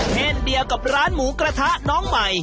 เช่นเดียวกับร้านหมูกระทะน้องใหม่